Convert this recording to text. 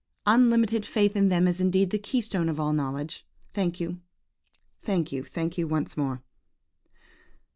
Unlimited faith in them is indeed the keystone of all knowledge. ... Thank you, thank you, once more!"